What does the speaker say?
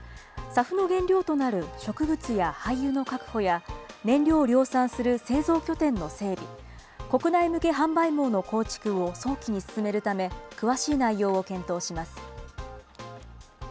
ＳＡＦの原料となる植物や廃油の確保や、燃料を量産する製造拠点の整備、国内向け販売網の構築を早期に進めるため、詳しい内容を検討します。